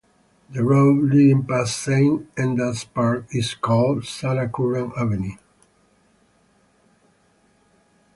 The road leading past Saint Enda's Park is called Sarah Curran Avenue.